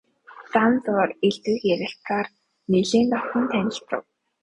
Зам зуур элдвийг ярилцсаар нэлээд дотно танилцав.